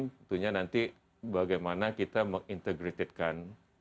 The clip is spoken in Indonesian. tentunya nanti bagaimana kita mengintegratedkan